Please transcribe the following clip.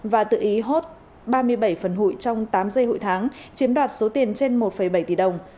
và tự ý hốt ba mươi bảy phần hụi trong tám dây hụi tháng chiếm đoạt số tiền trên một bảy tỷ đồng